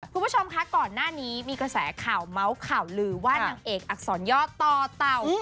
คุณผู้ชมคะก่อนหน้านี้มีกระแสข่าวเมาส์ข่าวลือว่านางเอกอักษรย่อต่อเต่า